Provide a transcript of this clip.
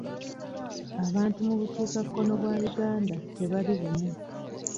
Abantu mu bukiikakkono bwa Uganda tebali bumu.